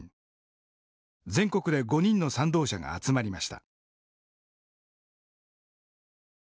全国で５人の賛同者が集まりました。